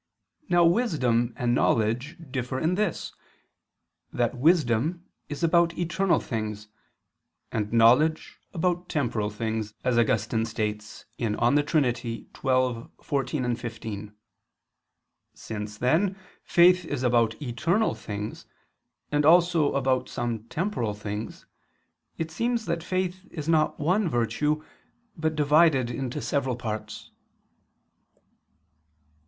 Now wisdom and knowledge differ in this, that wisdom is about eternal things, and knowledge about temporal things, as Augustine states (De Trin. xii, 14, 15). Since, then, faith is about eternal things, and also about some temporal things, it seems that faith is not one virtue, but divided into several parts.